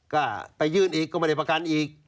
ก็ไปยื่นอีกก็ไม่ได้ประกันอีก